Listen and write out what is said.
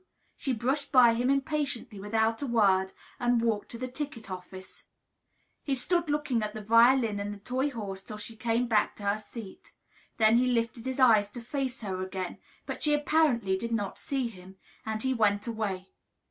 She brushed by him impatiently, without a word, and walked to the ticket office. He stood looking at the violin and the toy horse till she came back to her seat. Then he lifted his eyes to her face again; but she apparently did not see him, and he went away.